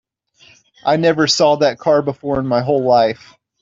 I never saw that car before in my whole life.